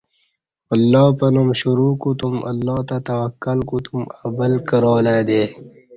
اللہ پنام شروع کوتوم اللہ تہ توکل کوتوم ابل کرالہ دے